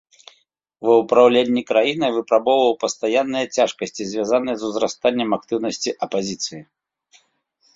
Ва ўпраўленні краінай выпрабоўваў пастаянныя цяжкасці, звязаныя з узрастаннем актыўнасці апазіцыі.